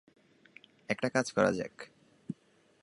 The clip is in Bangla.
একটা কাজ করা যাক।